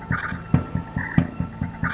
aku mau ke sana